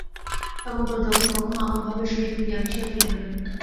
সমগ্র জগৎ কখনও আমার ভাবের সহিত মিলিয়া মিশিয়া চলিবে না।